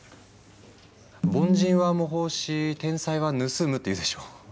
「凡人は模倣し天才は盗む」って言うでしょ。